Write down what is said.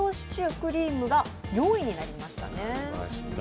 クリームが４位になりましたね。